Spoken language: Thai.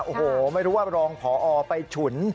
โอ้โหไม่รู้ว่ารองพอไปฉุน